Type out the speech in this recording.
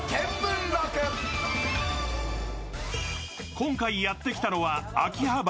今回やってきたのは秋葉原。